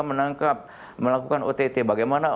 menangkap melakukan ott bagaimana